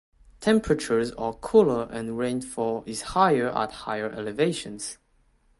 Temperatures are cooler and rainfall is higher at higher elevations.